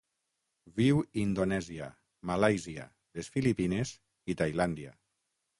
Viu Indonèsia, Malàisia, les Filipines i Tailàndia.